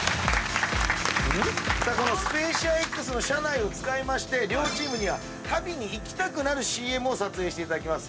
このスペーシアＸの車内を使いまして両チームには旅に行きたくなるＣＭを撮影していただきます。